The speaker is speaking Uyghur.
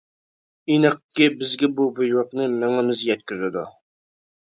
ئېنىقكى بىزگە بۇ بۇيرۇقنى مىڭىمىز يەتكۈزىدۇ.